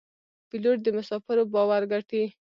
پیلوټ د مسافرو باور ګټي.